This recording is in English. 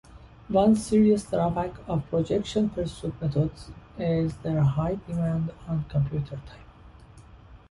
One serious drawback of projection pursuit methods is their high demand on computer time.